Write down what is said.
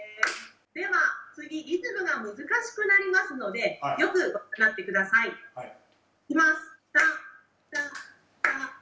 では次リズムが難しくなりますのでよくご覧になって下さい。いきます。